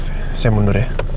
saya mundur ya